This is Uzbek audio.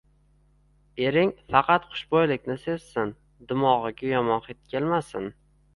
Ering faqat xushbo‘ylikni sezsin, dimog‘iga yomon hid kelmasin.